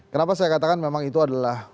kenapa saya katakan memang itu adalah